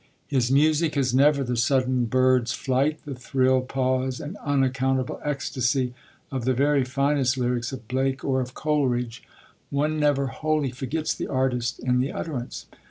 His music has never the sudden bird's flight, the thrill, pause, and unaccountable ecstasy of the very finest lyrics of Blake or of Coleridge; one never wholly forgets the artist in the utterance.